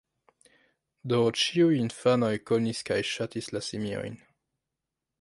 Do ĉiuj infanoj konis kaj ŝatis la simiojn.